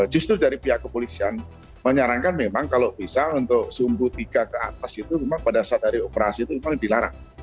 justru dari pihak kepolisian menyarankan memang kalau bisa untuk sumbu tiga ke atas itu memang pada saat dari operasi itu memang dilarang